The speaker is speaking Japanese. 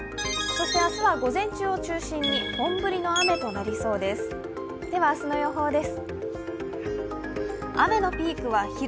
明日は午前中を中心に本降りの雨となりそうです。